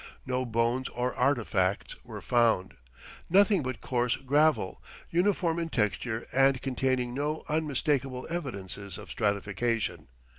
No bones or artifacts were found nothing but coarse gravel, uniform in texture and containing no unmistakable evidences of stratification.